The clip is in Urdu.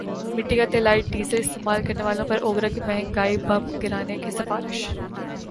مٹی کا تیللائٹ ڈیزل استعمال کرنے والوں پر اوگرا کی مہنگائی بم گرانے کی سفارش